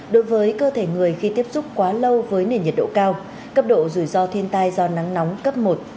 đối với cơ thể người khi tiếp xúc quá lâu với nền nhiệt độ cao cấp độ rủi ro thiên tai do nắng nóng cấp một